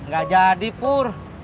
gak jadi pur